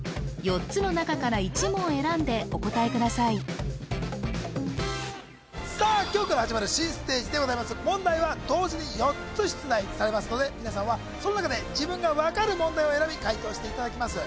４つの中から１問選んでお答えくださいさあ今日から始まる新ステージでございます問題は同時に４つ出題されますので皆さんはその中で自分が分かる問題を選び解答していただきます